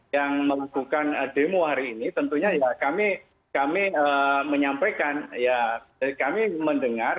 yang melakukan demo hari ini tentunya ya kami menyampaikan ya kami mendengar